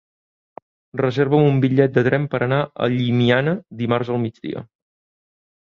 Reserva'm un bitllet de tren per anar a Llimiana dimarts al migdia.